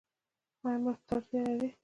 ایا مرستې ته اړتیا لرئ؟